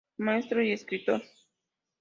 Maestro y escritor.